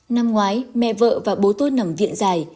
năm ngoái mẹ vợ và bố tôi nằm viện dài